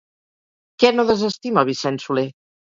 Què no desestima Vicent Soler?